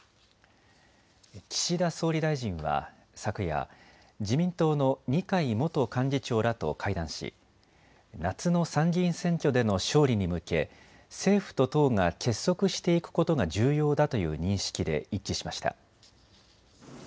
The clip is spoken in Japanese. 岸田総理大臣は昨夜、自民党の二階元幹事長らと会談し夏の参議院選挙での勝利に向け政府と党が結束していくことが重要だという認識で一致しました。